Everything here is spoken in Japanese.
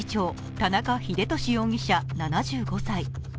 田中英寿容疑者７５歳。